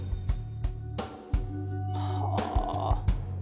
はあ。